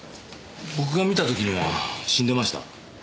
僕が見た時には死んでました。